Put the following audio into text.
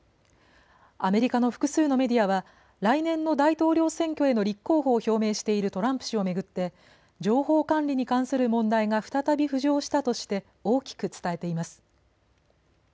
アメリカの複数のメディアは来年の大統領選挙への立候補を表明しているトランプ氏を巡って情報管理に関する問題が再び浮上したとして大きく伝えています。